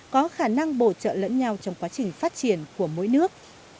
có khả năng bổ trợ lẫn nhau trong quá trình phát triển của mỗi nước